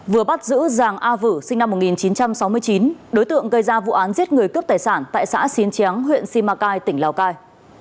vừa bắt giữ giàng a vữ sinh năm một nghìn chín trăm sáu mươi chín đối tượng gây ra vụ án giết người cướp tài sản tại xã xín chén huyện simacai tỉnh lào cai